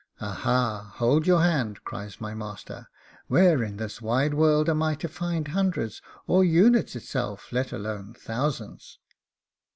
'A a ah! hold your hand,' cries my master. 'Where in this wide world am I to find hundreds, or units itself, let alone thousands?